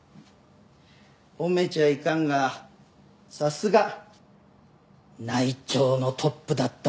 褒めちゃいかんがさすが内調のトップだっただけの事はある。